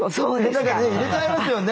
何かね入れちゃいますよね。